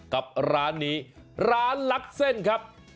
กับร้านนี้ร้านลักเส้นครับ